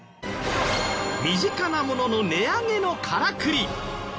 身近なものの値上げのカラクリ。